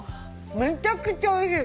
めちゃくちゃおいしい。